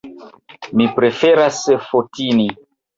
Mi preferas Fotini.